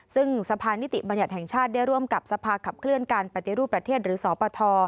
ซึ่งสะพานนิติบัญญัติแห่งชาติได้ร่วมกับสภาขับเคลื่อนการปฏิรูปประเทศหรือสปท